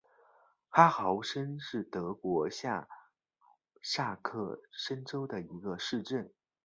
哈豪森是德国下萨克森州的一个市镇。